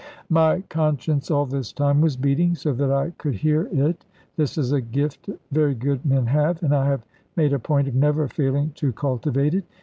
My conscience all this time was beating, so that I could hear it. This is a gift very good men have, and I have made a point of never failing to cultivate it.